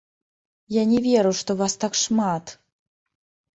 Я не веру, што вас так шмат!